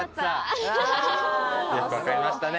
よく分かりましたね。